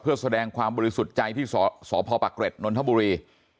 เพื่อแสดงความบริสุทธิ์ใจที่สพปะเกร็ดนนทบุรี